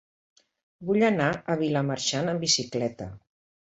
Vull anar a Vilamarxant amb bicicleta.